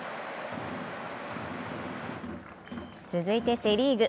続いてセ・リーグ。